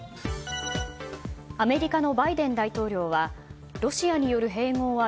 アメリカのバイデン大統領はロシアによる併合は